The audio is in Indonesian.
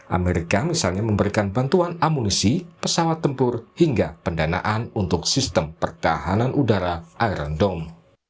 amerika misalnya memberikan bantuan amunisi pesawat tempur hingga pendanaan untuk sistem pertahanan udara irondong